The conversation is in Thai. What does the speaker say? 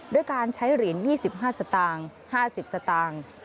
ด้วยการใช้เหรียญ๒๕สตางค์๕๐สตางค์